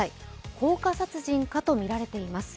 放火殺人かとみられています。